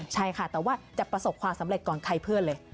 ใช่ค่ะแต่ว่าจะประสบความสำเร็จก่อนใครเพื่อนเลย